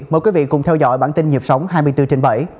mời quý vị cùng theo dõi bản tin nhịp sống hai mươi bốn trên bảy